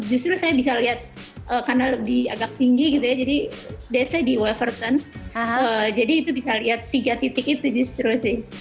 justru saya bisa lihat karena lebih agak tinggi gitu ya jadi desa di weverton jadi itu bisa lihat tiga titik itu justru sih